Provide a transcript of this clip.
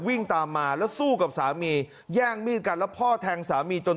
วิ่งตามมาแล้วสู้กับสามีแย่งมีดกันแล้วพ่อแทงสามีจน